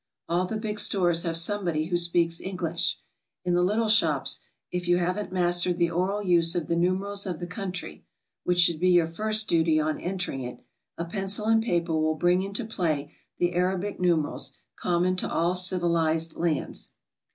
All the big stores have somebody who speaks Englisih. In the little shops, if you haven't mastered the oral use of the numerals of the country (which should be your first duty on entering it), a pencil and paper will bring into play the Arabic numer als, common to all civilized lands.